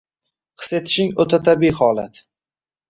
his etishing o‘ta tabiiy holat.